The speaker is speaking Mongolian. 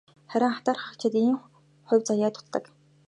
Харин атаархагчдад ийм хувь заяа дутдаг.